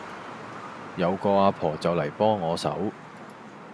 有個阿婆就嚟幫我手